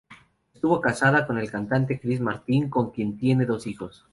Estuvo casada con el cantante Chris Martin, con quien tiene dos hijos.